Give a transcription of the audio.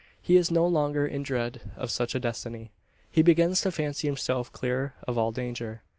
He is no longer in dread of such a destiny. He begins to fancy himself clear of all danger.